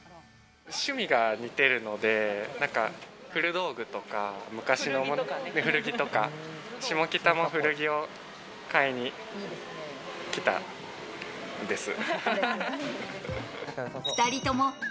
趣味が似てるので、古道具とか昔のものとか、下北の古着を買いに来たんです。